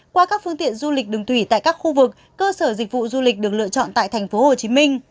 qua các phương tiện du lịch đường thủy tại các khu vực cơ sở dịch vụ du lịch được lựa chọn tại tp hcm